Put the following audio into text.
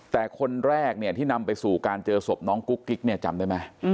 แต่คนแรกเนี่ยที่นำไปสู่การเจอศพน้องกุ๊กกิ๊กเนี่ยจำได้ไหม